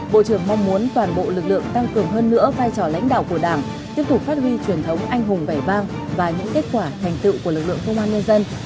bộ trưởng mong muốn toàn bộ lực lượng tăng cường hơn nữa vai trò lãnh đạo của đảng tiếp tục phát huy truyền thống anh hùng vẻ vang và những kết quả thành tựu của lực lượng công an nhân dân